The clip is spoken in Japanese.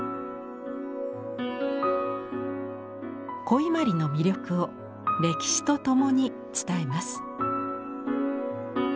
古伊万里の魅力を歴史とともに伝えます。